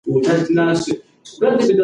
پر موږکانو ازموینې شوې دي.